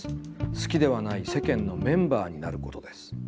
好きではない『世間』のメンバーになることです。